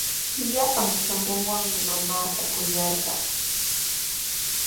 Llapan shunquuwanmi mamaata kuyarqaa.